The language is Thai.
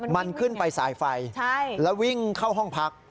มันขึ้นไปสายไฟแล้ววิ่งเข้าห้องพัก